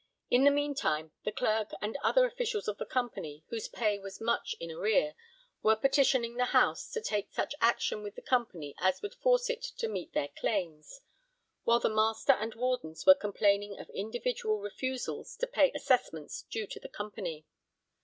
In the meantime the Clerk and other officials of the Company, whose pay was much in arrear, were petitioning the House to take such action with the Company as would force it to meet their claims, while the Master and Wardens were complaining of individual refusals to pay assessments due to the Company.